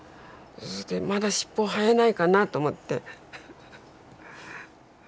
まだ尻尾生えないかなと思って。